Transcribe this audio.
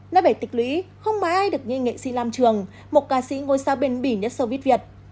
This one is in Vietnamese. nói về tịch lũy không ai được như nghệ sĩ lam trường một ca sĩ ngôi sao bền bỉ nhất sâu viết việt